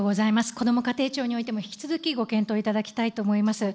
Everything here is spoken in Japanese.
こども家庭庁においても、引き続きご検討いただきたいと思います。